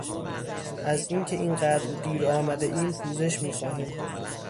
از این که این قدر دیر آمدهایم پوزش میخواهیم!